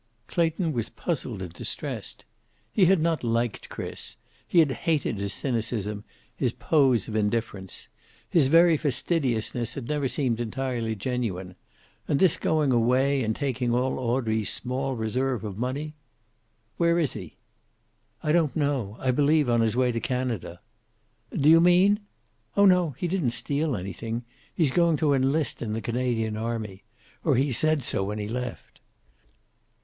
Clayton was puzzled and distressed. He had not liked Chris. He had hated his cynicism, his pose of indifference. His very fastidiousness had never seemed entirely genuine. And this going away and taking all Audrey's small reserve of money "Where is he?" "I don't know. I believe on his way to Canada." "Do you mean " "Oh, no, he didn't steal anything. He's going to enlist in the Canadian army. Or he said so when he left."